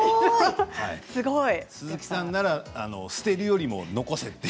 鈴木さんなら捨てるよりも残せって。